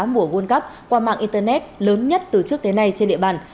mùa world cup qua mạng internet lớn nhất từ trước đến nay trên địa bàn